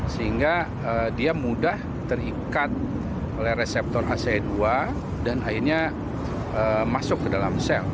sehingga dia mudah terikat oleh reseptor ace dua dan akhirnya masuk ke dalam sel